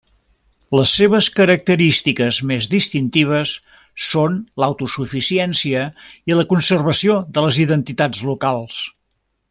Les seves característiques més distintives són l'autosuficiència i la conservació de les identitats locals.